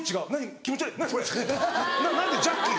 気持ち悪い何これジャッキー？」